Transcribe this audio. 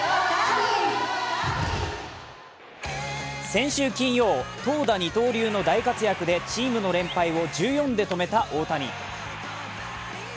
先週金曜、投打二刀流の大活躍でチームの連発を１４で止めた大谷。